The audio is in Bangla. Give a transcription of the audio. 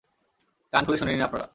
কান খোলে শুনে নিন, আপনারা!